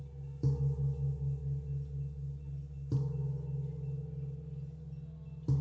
อันสรรคหมู่เพียสไทยประโยชน์พระธรรม